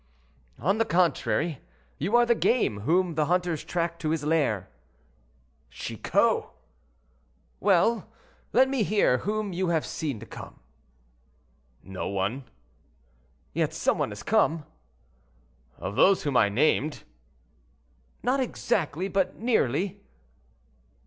"On the contrary; you are the game whom the hunters track to his lair." "Chicot!" "Well! let me hear whom you have seen come." "No one." "Yet some one has come." "Of those whom I named?" "Not exactly, but nearly."